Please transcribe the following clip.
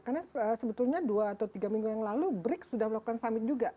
karena sebetulnya dua atau tiga minggu yang lalu bric sudah melakukan summit juga